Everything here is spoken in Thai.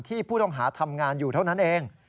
ผู้ต้องหาทำงานอยู่เท่านั้นเอง